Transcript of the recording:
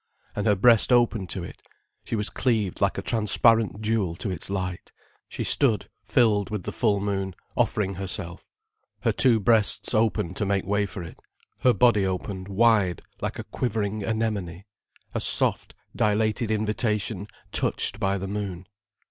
And her breast opened to it, she was cleaved like a transparent jewel to its light. She stood filled with the full moon, offering herself. Her two breasts opened to make way for it, her body opened wide like a quivering anemone, a soft, dilated invitation touched by the moon.